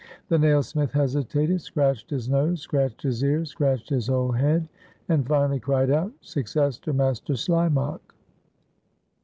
The nailsmith hesitated, scratched his nose, scratched his ear, scratched his whole head, and, finally, cried out, "Success to Master Slimak!"